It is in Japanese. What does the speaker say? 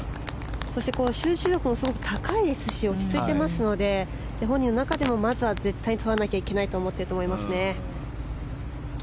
そして集中力が高いですし落ち着いていますので本人の中でもまずは絶対にとらなきゃいけないと思っていると思いますね。